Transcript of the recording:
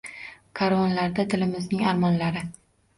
Karvonlarda dilimizning armonlari.